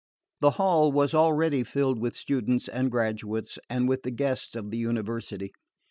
The hall was already filled with students and graduates, and with the guests of the University.